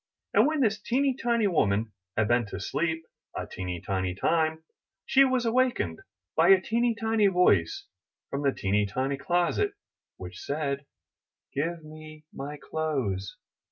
And when this teeny tiny woman had been to sleep a teeny tiny time, she was awakened by a teeny tiny voice from the teeny tiny closet, which said: ''Give me my clothes!